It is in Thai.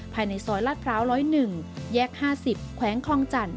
ภายในซอยลาดพร้าว๑๐๑แยก๕๐แขวงคลองจันท